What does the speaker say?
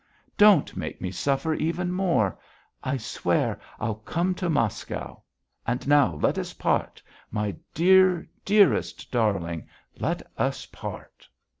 Don't make me suffer even more! I swear, I'll come to Moscow. And now let us part. My dear, dearest darling, let us part!"